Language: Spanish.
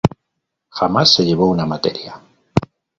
Jamás se llevó una materia.